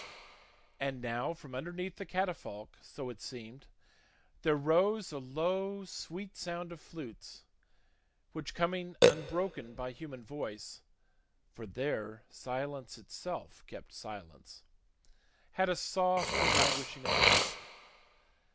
And now from underneath the catafalque, so it seemed, there rose a low sweet sound of flutes, which, coming unbroken by human voice (for there silence itself kept silence), had a soft and languishing effect.